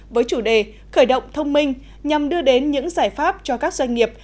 với chủ đề khởi động thông minh nhằm đưa đến những giải pháp cho các doanh nghiệp